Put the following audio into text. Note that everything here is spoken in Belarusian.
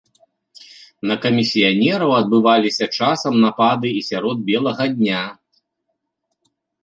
На камісіянераў адбываліся часам напады і сярод белага дня.